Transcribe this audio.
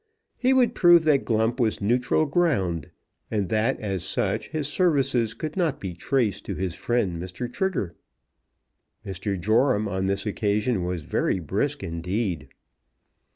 He would prove that Glump was neutral ground, and that as such his services could not be traced to his friend, Mr. Trigger. Mr. Joram on this occasion was very brisk indeed.